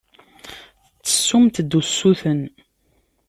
Tettessumt-d usuten.